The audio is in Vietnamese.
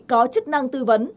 có chức năng tư vấn